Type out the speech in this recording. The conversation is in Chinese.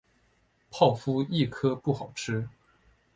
泡芙一颗不好吃